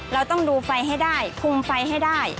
เราต้องดูไฟให้ได้คุมไฟให้ได้